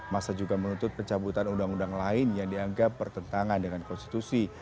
masa juga menuntut pencabutan undang undang lain yang dianggap bertentangan dengan konstitusi